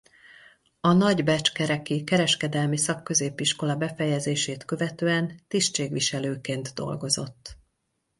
A nagybecskereki kereskedelmi szakközépiskola befejezését követően tisztségviselőként dolgozott.